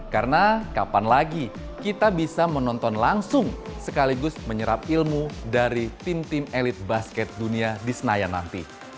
karena kapan lagi kita bisa menonton langsung sekaligus menyerap ilmu dari tim tim elit basket dunia di senayan nanti